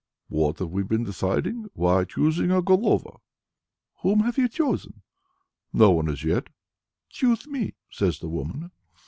"What have we been deciding? why choosing a Golova." "Whom have you chosen?" "No one as yet." "Choose me," says the woman.